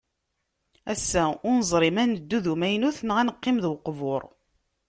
Ass-a ur neẓri ma ad neddu d umaynut neɣ ad neqqim d uqbur.